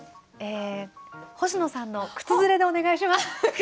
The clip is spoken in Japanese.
星野さんの靴ずれでお願いします。